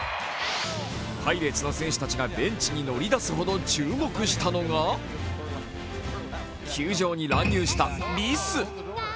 パイレーツの選手たちがベンチに乗り出すほど注目したのは、球場に乱入したリス。